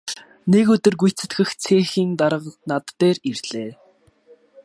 Нэг өдөр гүйцэтгэх цехийн дарга над дээр ирлээ.